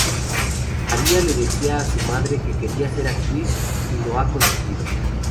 María le decía a su madre que quería ser actriz, y lo ha conseguido.